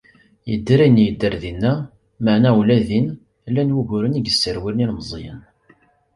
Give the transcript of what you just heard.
Yedder ayen yedder dinna, meɛna ula din, llan wuguren i yesserwalen ilemẓiyen.